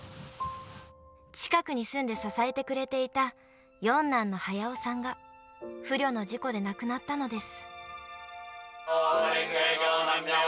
近くに住んで支えてくれていた四男の速夫さんが不慮の事故で亡くなったのです。